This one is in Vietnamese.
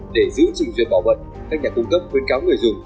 để giữ trình duyệt bảo mật các nhà cung cấp khuyến cáo người dùng